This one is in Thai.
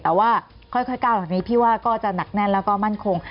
แต่ว่าค่อยก้าวหลังจากนี้พี่ว่าก็จะหนักแน่นแล้วก็มั่นคง